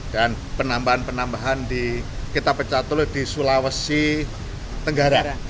dan penambahan penambahan kita pecah telur di sulawesi tenggara